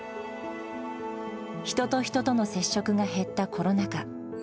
人と人との接触が減ったコロナ禍。